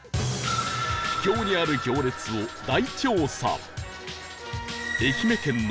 秘境にある行列を大調査